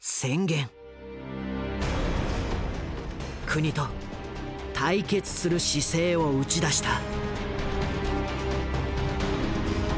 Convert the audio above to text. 国と対決する姿勢を打ち出した。